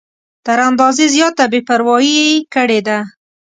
تر اندازې زیاته بې پروايي کړې ده.